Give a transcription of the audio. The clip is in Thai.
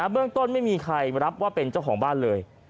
เรื่องต้นไม่มีใครรับว่าเป็นเจ้าของบ้านเลย